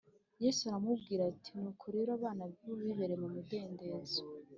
Yesu aramubwira ati “Nuko rero abana bo bibereye mu mudendezo